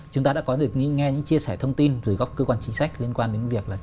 chúng ta đã có được những nghe những chia sẻ thông tin từ các cơ quan chính sách liên quan đến việc là